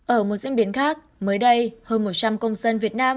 ở một diễn biến khác mới đây hơn một trăm linh công dân việt nam